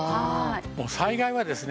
災害はですね